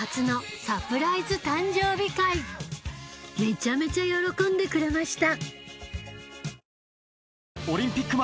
めちゃめちゃ喜んでくれました